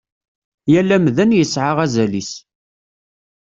Yal amdan yesɛa azal-is.